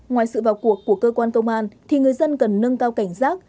ngoài sự vào cuộc của cơ quan công an thì người dân cần nâng cao cảnh giác